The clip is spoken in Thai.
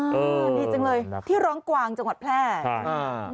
ดีจังเลยที่ร้องกว่างจังหวัดแพร่